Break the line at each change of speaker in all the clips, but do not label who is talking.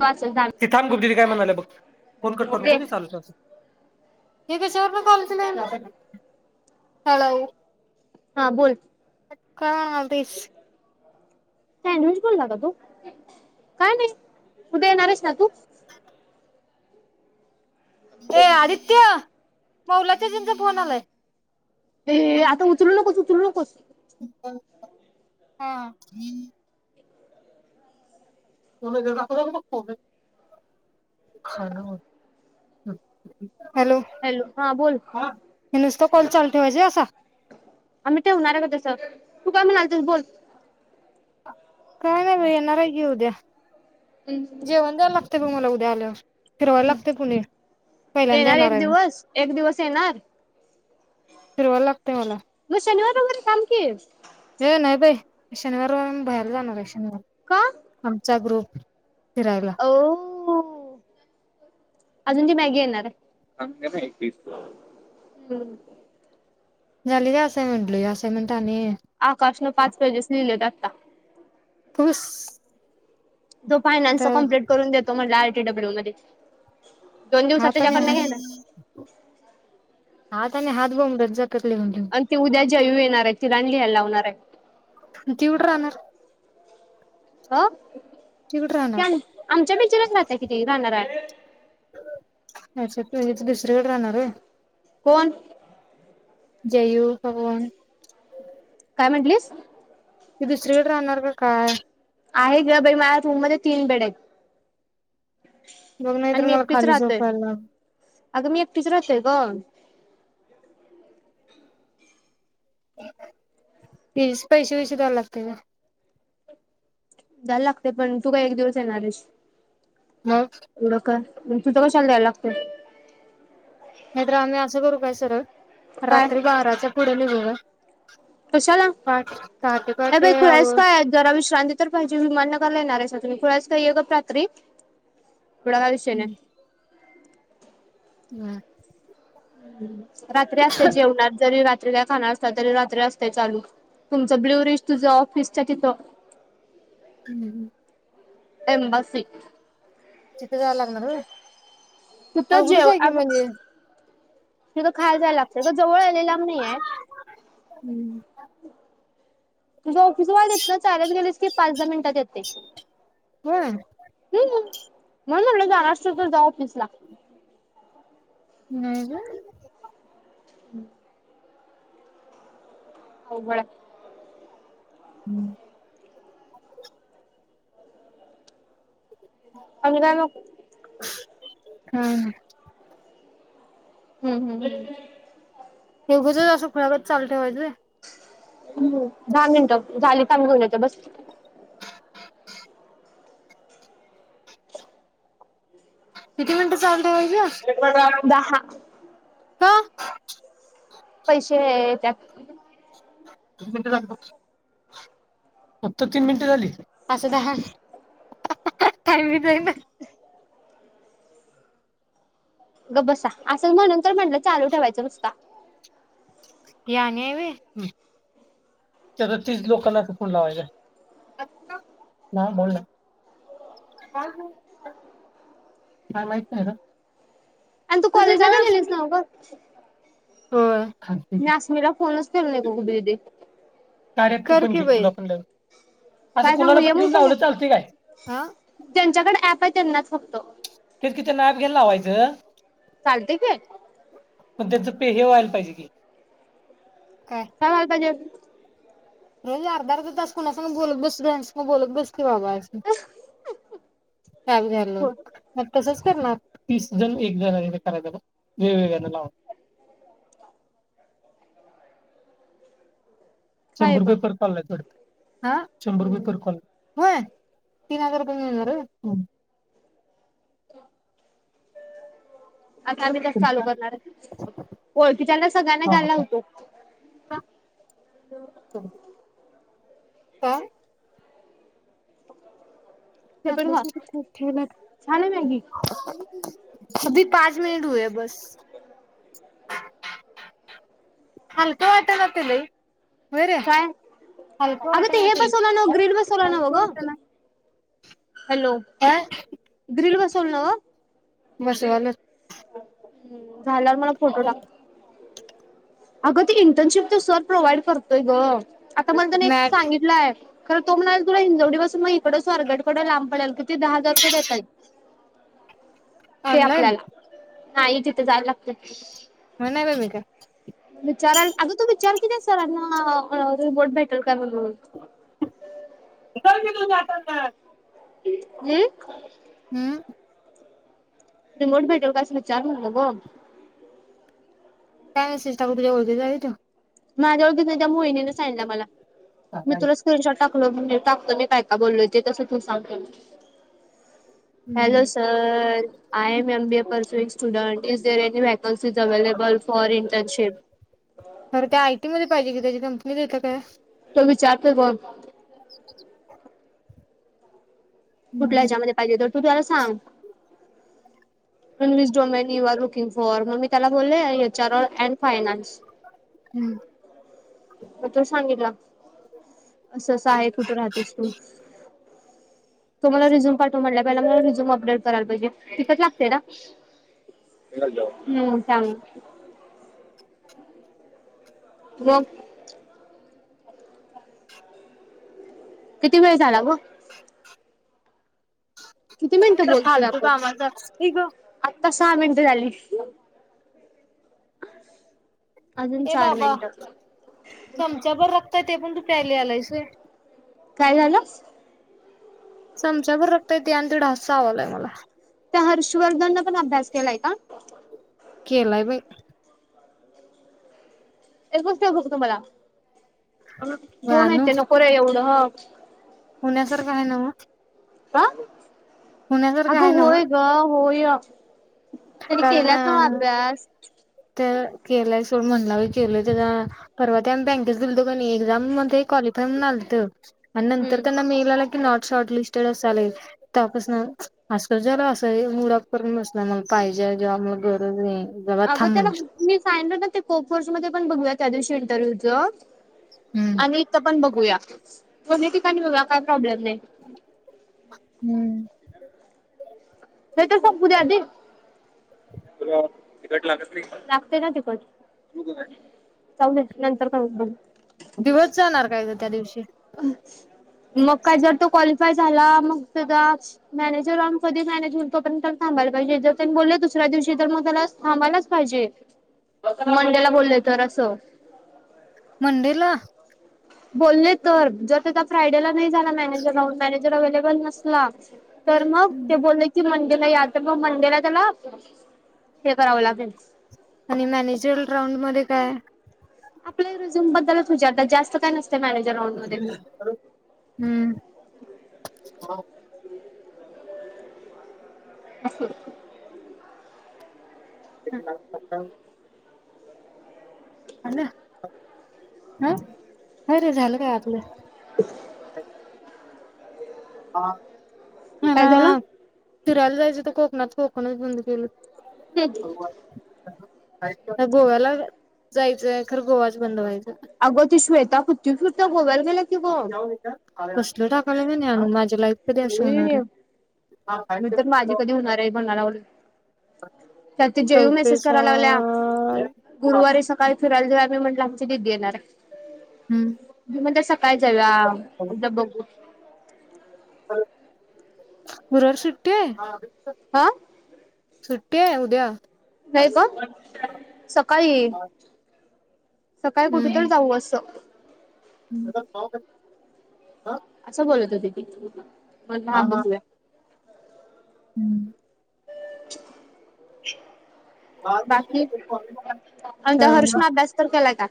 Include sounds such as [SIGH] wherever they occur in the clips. वाचल
इ थांब कुठरी काय म्हणाले बघ फोन कट करू
दे
नको लू चाल. हे कच्यावर कॉल हॅलो?
हा बोल.
अ का बीस [UNINTELLIGIBLE]
कायनश बोलता का तू काय नाही. उद्या येणारच ना तू?
ए आदित्य! मौलाच्या जिंज पन आलाय.
ते आता उचलू नकोस उचरू नकोस.
हा. को जगा को म हॅलो
हा बोल
हे नुसत कॉल चालू ठेवायचे असा.
आम्ही ठेवणार आहे का तसं तू काय म्हणाल तुझ बोल.
काय नाही भ ये नरा येऊद्या जेवण द्यायला लागत बघ मला बलो पहिल्यांदा
येणार एक
आहे मी
दिवस एक दिवस येणार
फिरवायला लागतंय
मग शनिवारैर काम कि
हे नाही बाई शनिवार बाहेर जाणार आहे.
का
ह आमचा ग्रुप फिरायला
[UNINTELLIGIBLE] अजून ती मॅगी येणार आहे.
झाली असायन म्हंटल असं.
आकाशने पाच पेजेस लिहिलेत आता
खुश.
तो फयनान्चा कम्प्लीट करून देतो मला डब्ल्यू मध्ये दोन दिवसात
हाताने
त्याच्याकडन
हात
घ्या ना.
हा त आणि हात ब रजात
आणि ती उद्या जयु येणार आहे. तिला लिहायला लावणार आहे.
तेवढ राहणार?
हा!
तिकडं
ते
राहणार
आमच्या बिचारच [UNINTELLIGIBLE] राहताय की ते किती राहणार आहे?
अच्छा ते हेच दिसतं. रेड राहणार रे.
कोण
जयू कोण?
काय म्हंटलीस?
ती दुसरीकडे राहणार का काय?
आहे ग बाई, माझ्याच रूम मध्ये तीन बेड आहेत.
बघ, नाही तर
आणि मी
मला
एकटीच
खाली
राहतोय
झोपायला.
अगं मी एकटीच राहतेय ग.
हे पैसे बिसे द्यायला लागते का?
द्यायला लागते पण, तू काय एक दिवसच येणारेस.
मग
एवढ काय? तुमचं कशाला द्यायला लागत?
नाही तर आम्ही असं करू काय सरळ?
काय
रात्री बाराच्या पुढे लिहून ह
कशाला? ये
पहाटे
बाई खुळी
आव
हायस काय? [UNINTELLIGIBLE] जरा विष चांदी तर पाहिजे विमानगरला येणार आहे. तुम्ही खुळायचं [UNINTELLIGIBLE] काही आहे ग रात्री. पुढं काय विषय नाही?
हम्.
हम. रात्री असते जेवणार जरी रात्री [UNINTELLIGIBLE] खाना असत तरी रात्री असते. चालू तुमचं ब्ल्युरिस्ट तुझं ऑफिसच्या तिथं.
हम्म.
एम्बासी
तिथं जायला लागणार व्हय.
तिथं
अवघडच
जेव
आहे की
अग
म्हणजे.
तिथं खायला जायला लागतं गं. जवळ आहे लई लांब नाहीये.
हम्म
तुझं ऑफिस इथनं चालत गेलेस की पाच दहा मिनटात येतं. ते.
हम.
म्हणलं ना तुला जा. आजपासून जा आफिसला.
हम्म अ
[INAUDIBLE] [UNINTELLIGIBLE]
हम्म [UNINTELLIGIBLE]
अंग न
हा.
हम्म हम्म ह्.
ते उगाच च आस खुल्या गत चलतेेवायजे.
हम्. दहा मिनिटं झालीत आ्ही होनयच बस
किती मिनिटं चालते वईज
दहा.
का?
पैसे त्यात
तु झा बस फक्त तीन मिनटं झाली असं दहा
गप बसा असंच म्हणून तर म्हंटलं चालू ठेवायचं नुसता.
ही अनी हाय व्हय त्या त्या तीस लोकांना फोन लावायचा [UNINTELLIGIBLE] काय माहित नाही ग
[UNINTELLIGIBLE]
होय.
मी आस्मी ला फोनच केलो नाही बघ गुड्डी दिदे
आरे कर की बाई
काय सांगू ये म्हण सांगू?
काय? हा.
ज्यांच्याकडे ऍप आहे त्यांनाच फक्त
तेनला ॲप घ्यायला लावायचं
चालतय की
मग त्याच [UNINTELLIGIBLE] व्हायला पाहिजे की काय
[UNINTELLIGIBLE]
रोज अर्धा अर्धा तास कोणासंग बोलत बसू तेझ्यासंग बोलत बस. ए बाबा [UNINTELLIGIBLE] काल
हो
[UNINTELLIGIBLE] मग तसच करणार [UNINTELLIGIBLE] वेगवेगळ्याना लावून
आहे
शंभर रुपये
पण
परत आलं नाहीत हा शंबर रुपये
हम्म
पर कॉल व्हय तीन हजार रुपये मिळणार होय
[UNINTELLIGIBLE] आता आम्ही काय चालू करनाराय, ओळखीच्यांना सगळ्यांना
हा
घायला लावतो
हा. का? ते
पण खा
आपल्यासाठी खूप
छान आहे मॅगी
[UNINTELLIGIBLE] [UNINTELLIGIBLE] हलक वाटालय लई होय रे,
काय
हलकं
अगं ते
वाटणा
हे
की रे
बसवलं नव
काय
ग्रिल बसवलं नव
हलकं
ग
वाटना
हॅलो ग्रिल बसवल नव
बसवाल्यात
झाल्यावर मला फोटो टाक अगं ते इंटनशिप सर प्रोव्हाइड करतोय गं आता मला त्यानं एक
मॅट
सांगितलाय खरं तो म्हणालाय तुला हिंगडी पासून मग ईकडं स्वारगेट लांब पडेल किती दहा हजार रुपये देता येईल. ते
ऑनलाईन
आपल्याला नाही तिथं जायला लागतंय
हो नाही बाई मी काय
विचारायला आग तू विचार कि त्या सरांना रिबोट भेटेल का म्हणून
[UNINTELLIGIBLE]
हम्म
हम्म
रिमोट भेटेल का असं विचार म्हणलं ग
काय मेसेज टाकू तुझ्या ओळखीचा व्हय तो
माझ्या ओळखी माझ्या मोहिणीन सांगितल्या मला मी
काय?
तुला स्क्रीनशॉट टाकल म्हणजे टाकतो मी काय का बोललो तेे कसं तू सांग हॅलो
हम्म.
Sir I am M B A percent student e available for int
[INAUDIBLE] पाहिजे की त्याची कंपनी देत्या काय
विचारत कोण कुठल्या हच्यामध्ये पाहिजे त तू त्याला सांग वस डोमेनी यूर लुकिंग फॉर म्मी त्याला बोलले चार अँड फायनान्स मग तो सांगितला असं असं आहे कुठे राहतेस तू तो मला रिझ्युम पाठव म्हंटला मला रिझ्युम अपडेट करायला पाहिजे तितकंच लागतंय ना म किती वेळ झाला ग किती मिनिटं
तर फालतू कामाचं असंच की ग
क सहा मिनटं झाली अजून
ए
चार
बाबा
मिनिटं
चमच्या भर रक्त येतय [INAUDIBLE] आलायस वय
काय झालं..
चमचा बर रगता येत आणि ते ढास चावालाय मला
त्या हर्षवर्धन नं पण अभ्यास केलाय का.
केलाय बाई
तर कसते बघ तुम्हाला. दोन आहेत
भयानो
ते नकोरे एवढं [UNINTELLIGIBLE]
पुण्यासारखं आहे न्हवं
का अग
आहे नव्ह
होय ग होय अफ त्याने केला का
कारण
अभ्यास..
केलाय सोड म्हणला बई केलोय त्याचा परवा ते आम्ही बँकेत गेलतो कि नाही एक्झाम मध्ये क्वालिफाय म्हणून आलतं आणि नंतर
हम्म
त्यांना मेल आला कि नॉट शॉर्ट लिस्टेड असल तवापासन आजकाल जला असं मूड ऑफ करून बसलाय म पाहिजे जेव्हा मला गरज आहे.
अगं त्याला मी सांगितलेलं ते कोपवर्स मध्ये पण बघूयात. त्या दिवशी इंटरव्यूच.
हम्म
आणि इत पण बघू बघूया, दोन्ही ठिकाणी बघूया काय प्रॉब्लेम नाही. ते तर संपू दे आधी, तुला तिखट लागत नाय लागतय ना तिखट, जाऊदे नंतर करुया.
दिवस जाणार काय ग त्या दिवशी?
मग काय झालं, म त्याचा मॅनेजर ऑन पदी मॅनेज तोपर्यंत तर थांबायला पाहिजे, जर त्यानी बोलले दुसऱ्या दिवशी तर म त्याला थांबायलाच पाहिजे मंडेला बोलले तर अस.
मंडेला.
बोलले तर जर त्या फ्रायडेला नाही झाला मॅनेजर राहून मॅनेजर अव्लेबल नसला. तर मग ते बोलले की मंडे नाही आत्ता म मंडेला त्याला हे करावं लागेल.
आणि मॅनेजरल राऊंड मध्ये काय हाय?
आपल्या रिझ्युम बद्दलच विचारता जास्त काय नस
हम्म.
अस.
कला खतम. झालं, अ काय रे झालं काय आपलं. [INAUDIBLE] हा.
काय झाल?
फिरायला जायचं तर कोकात कोकण बंद केेलंय.
[UNINTELLIGIBLE]
गोव्याला जायचंय खरं गोवाच बंद व्हायचा.
अग ती श्वेता कीती फिरत्या गोव्याला- गेल्या की गं
[UNINTELLIGIBLE] कसल टाकालं [UNINTELLIGIBLE] माझ्या- लाईफ कधी अशी होणार हाय.
मी तर माझी कधी होणार म्हणाय लागलो त्यात जेयू मेसेज
चौफेसा
कराय लागल्या गुरुवारी सकाळी फिरायला जाऊ मी म्हटलं आमची दिदी येणार
हम्म.
हाय. म ते स- काय झालं. हा आता बघू-
हॅलो, गुरुवार सुट्टीये, हा.
ह.
सुट्टी आहे उद्या.
नाही का सकाळी सकाळी कुठे
हम्म
तरी जाऊ असं
[UNINTELLIGIBLE]
असं बोलत होती ती. म्हणलं हा बघूया.
हम्म.
[INAUDIBLE]
हम्म.
बाकी, आमच्या हर्ष ण अभ्यास तर केलाय का?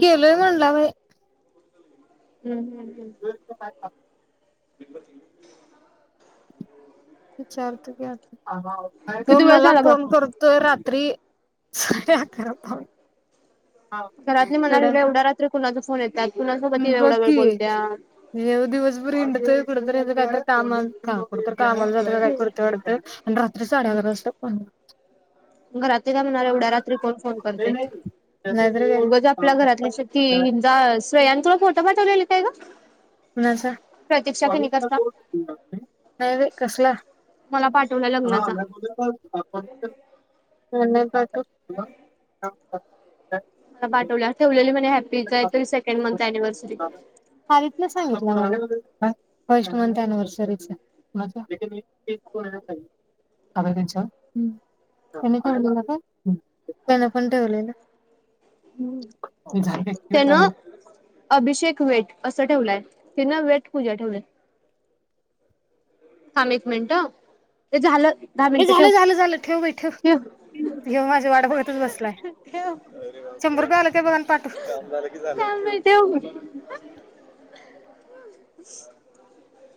केलय म्हणला बाई.
हम्, हम्.
[UNINTELLIGIBLE]
[UNINTELLIGIBLE]
विचारते घे आता तो
किती वेळ
मला
झाला बघ
फोन करतोय रा- त्री साडेअकरा पावणे
घरातले म्हणालागले एवढ्या रात्री कोणाचा फो फोन् येतात? कुणासोबत
बग
एवढा वेळ
की,
बोलत्या
हे दिवस भर हिंडतय [UNINTELLIGIBLE] कुठे तर कामाला जातय आणि काय करतोय वाडतं आणि रात्री साडे अकरा वाजता फोन
घरातली काय म्हणार एवढ्या रात्री कोण फोन करते,
नाहीतर
उगच आपल्या घरातल्यांचा
काय
हिचा श्रेयांचा फोटो पाठवलेल काय ग?
कुणाचा?
प्रतीक्षा केणेकरचा
नाही रे कसला?
मला पाठवला
हा
लग्नाचा मला
[UNINTELLIGIBLE] [INAUDIBLE]
[UNINTELLIGIBLE]
[UNINTELLIGIBLE]
मला पाटवल्या ठेवलेली म्हने हॅ ते काहीतरी तरी सेकंड मंथ अनिव्हर्सरी.
नाही सांगितलं तुम्हाला? काय? फर्स्ट मंथ एनिवर्सरीच? कुणाच? [INAUDIBLE] तुम्ही पण ठेवलेला काय? त्यांन पण ठेवलेलं
त्यानं अभिषेक वेट असं ठेवलाय. तिनं वेट पूजा ठेवल्या. थांब एक मिनट ते झालं. दहा मिनटं ठेव
झालं झालं झालं ठेव बाई
ठेव
ह्यो माझी वाट बघतच बसलाय
ठेव
शंभर रुपये आलं काय बघा आणि पाठव
थांब बाई ठेव. [INAUDIBLE]